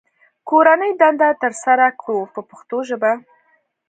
کورنۍ دنده ترسره کړو په پښتو ژبه.